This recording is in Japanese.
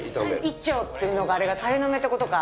「１丁」っていうのがあれがさいの目って事か。